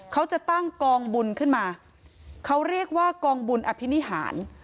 เขาจะตั้งกองบุญขึ้นมาเขาเรียกว่ากองบุญอภินิหาร